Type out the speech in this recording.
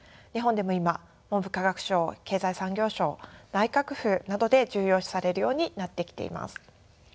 日本でも今文部科学省経済産業省内閣府などで重要視されるようになってきています。